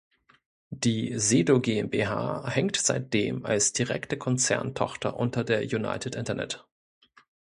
Die Sedo GmbH hängt seit dem als direkte Konzerntochter unter der United Internet.